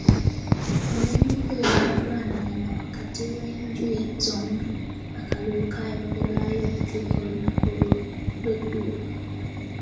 Olw'emivuyo n'okulwanagana wakati w'enjuyi zombi, akalulu kaayongerwayo okutuuka olunaku lw'eggulo.